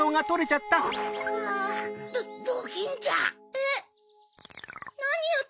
えっ？